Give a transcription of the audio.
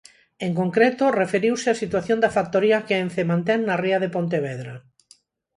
En concreto, referiuse á situación da factoría que Ence mantén na ría de Pontevedra.